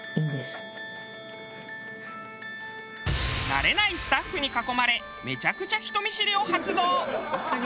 慣れないスタッフに囲まれめちゃくちゃ人見知りを発動。